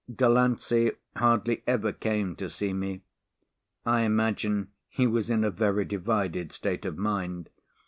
Delancey hardly ever came to see me. I imagine he was in a very divided state of mind!